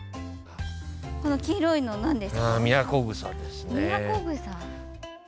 この黄色いのなんですか？